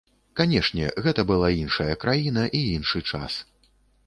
Канешне, гэта была іншая краіна і іншы час.